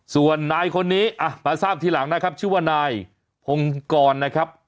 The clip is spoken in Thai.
ส่วนนายคนนี้มาทราบทีหลังนะครับชื่อว่านายพงกรนะครับ